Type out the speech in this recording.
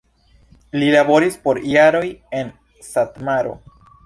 Li laboris por jaroj en Satmaro.